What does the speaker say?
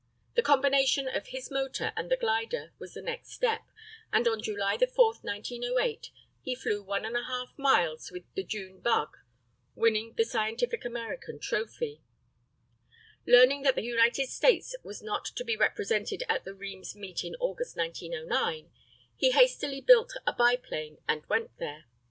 The combination of his motor and the glider was the next step, and on July 4, 1908, he flew 1½ miles with the June Bug, winning the Scientific American trophy. Learning that the United States was not to be represented at the Rheims meet in August, 1909, he hastily built a biplane and went there.